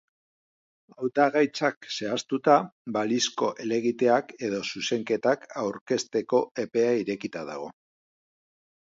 Hautagaitzak zehaztuta, balizko helegiteak edo zuzenketak aurkezteko epea irekita dago.